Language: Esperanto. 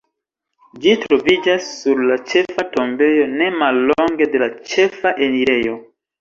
Ĝi troviĝas sur la ĉefa tombejo, ne mallonge de la ĉefa enirejo.